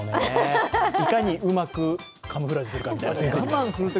いかにうまくカムフラージュするかと。